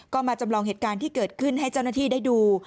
ก็มาจำลองเหตุการณ์ที่เกิดขึ้นให้เจ้าหน้าที่ได้ดู